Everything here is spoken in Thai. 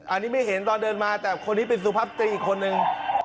อันนี้ไม่เห็นตอนเดินมาแต่คนนี้เป็นสุภาพตรีอีกคนนึง